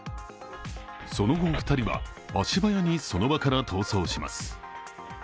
その後、２人は足早にその場から逃走します。